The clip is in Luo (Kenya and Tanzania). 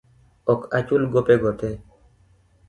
Ok achul gopego te.